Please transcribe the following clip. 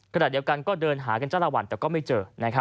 ขณะเดียวกันก็เดินหากันจ้าละวันแต่ก็ไม่เจอ